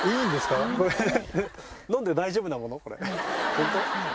ホント？